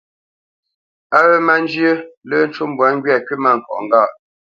Á wé má njyə̄, lə́ ncú mbwǎ ŋgywâ kywítmâŋkɔʼ ŋgâʼ.